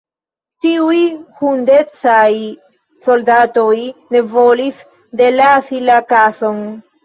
Tiuj hundecaj soldatoj ne volis delasi la kason.